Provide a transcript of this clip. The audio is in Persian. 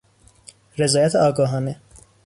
رضایت آگاهانه